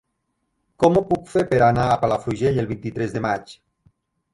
Com ho puc fer per anar a Palafrugell el vint-i-tres de maig?